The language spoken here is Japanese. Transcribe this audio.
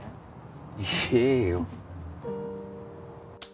言えよ。